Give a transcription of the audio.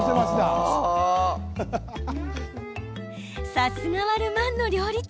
さすがはル・マンの料理長。